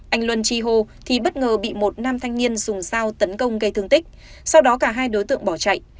anh luân chi hô thì bất ngờ bị một nam thanh niên dùng dao tấn công gây thương tích sau đó cả hai đối tượng bỏ chạy